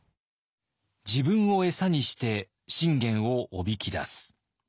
自分を餌にして信玄をおびき出す。